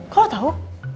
kok lo tau